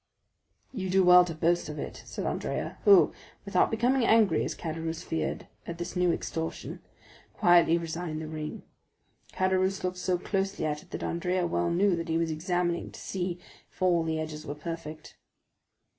"You do well to boast of it," said Andrea, who, without becoming angry, as Caderousse feared, at this new extortion, quietly resigned the ring. Caderousse looked so closely at it that Andrea well knew that he was examining to see if all the edges were perfect.